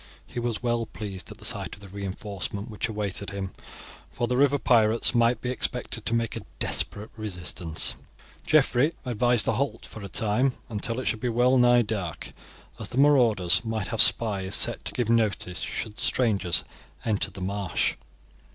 He was well pleased at the sight of the reinforcement which awaited him, for the river pirates might be expected to make a desperate resistance. Geoffrey advised a halt for a time until it should be well nigh dark, as the marauders might have spies set to give notice should strangers enter the marsh.